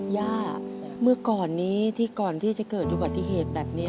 ย่าก่อนนี้ที่ก่อนก่อนที่จะเกิดวัตถิเหตุแบบนี้